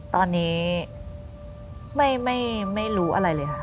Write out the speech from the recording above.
ตอนนี้ไม่รู้อะไรเลยค่ะ